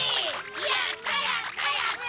やったやったやった！